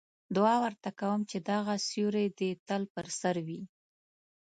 دعا ورته کوم چې دغه سیوری دې تل په سر وي.